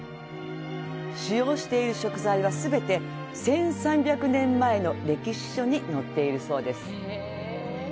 使用している食材は全て１３００年前の歴史書に載っているそうです。